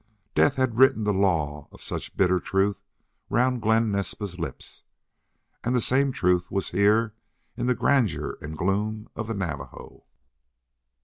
Death had written the law of such bitter truth round Glen Naspa's lips, and the same truth was here in the grandeur and gloom of the Navajo.